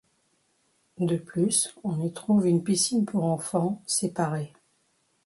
De plus, on y trouve une piscine pour enfants séparée.